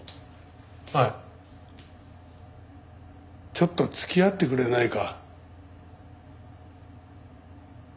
ちょっと付き合ってくれないか？